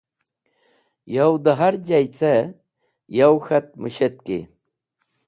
Yow dẽ harjay ce, yow k̃hat mũshetki.